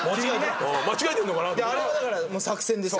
あれはだから作戦ですよ。